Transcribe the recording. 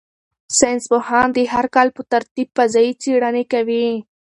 ساینس پوهان د هر کال په ترتیب فضايي څېړنې کوي.